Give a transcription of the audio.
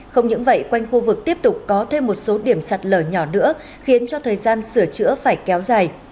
không những vậy quanh khu vực tiếp tục có thêm một số điểm sạt lở nhỏ nữa khiến cho thời gian sửa chữa phải kéo dài